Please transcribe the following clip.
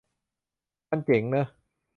มันเจ๋งเนอะ